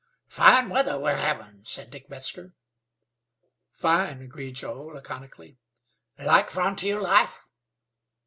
"Fine weather we're havin'," said Dick Metzar. "Fine," agreed Joe, laconically. "Like frontier life?"